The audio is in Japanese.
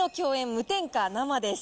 無添加生です。